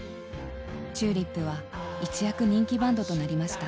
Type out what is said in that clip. ＴＵＬＩＰは一躍人気バンドとなりました。